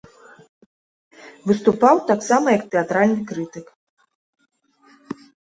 Выступаў таксама як тэатральны крытык.